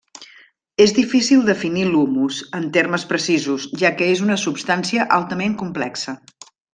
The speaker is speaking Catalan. És difícil definir l'humus en termes precisos, ja que és una substància altament complexa.